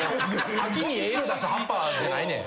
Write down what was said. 秋にええ色出す葉っぱじゃないねん。